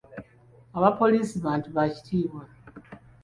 Abapoliisi bantu ba kitiibwa.